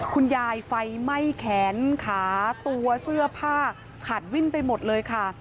ไฟไหม้แขนขาตัวเสื้อผ้าขาดวิ่นไปหมดเลยค่ะ